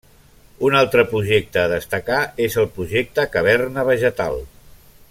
Un altre projecte a destacar és el projecte Caverna Vegetal.